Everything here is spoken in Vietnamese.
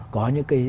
có những cái